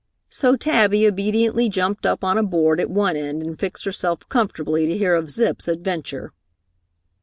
So Tabby obediently jumped up on a board at one end and fixed herself comfortably to hear of Zip's adventure.